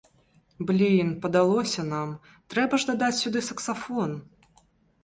Блін, падалося нам, трэба ж дадаць сюды саксафон!